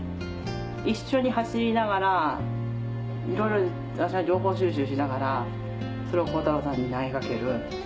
一緒に走りながらいろいろ私が情報収集しながらそれを恒太朗さんに投げ掛ける。